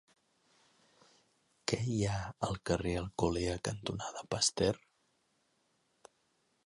Què hi ha al carrer Alcolea cantonada Pasteur?